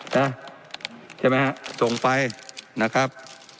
ใช่ไหมฮะส่งไปนะครับ